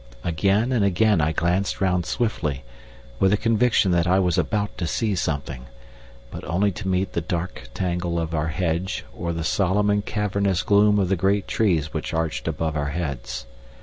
Again and again I glanced round swiftly, with the conviction that I was about to see something, but only to meet the dark tangle of our hedge or the solemn and cavernous gloom of the great trees which arched above our heads.